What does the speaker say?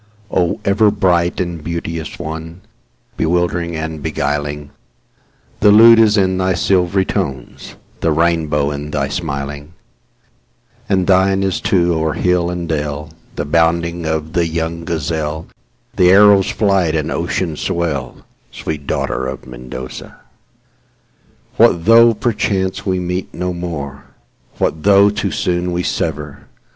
O ever bright and beauteous one, Bewildering and beguiling, The lute is in thy silvery tones, The rainbow in thy smiling; And thine is, too, o'er hill and dell, The bounding of the young gazelle, The arrow's flight and ocean's swell—Sweet daughter of Mendoza! What though, perchance, we no more meet,—What though too soon we sever?